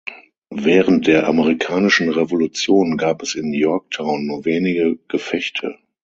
Während der Amerikanischen Revolution gab es in Yorktown nur wenige Gefechte.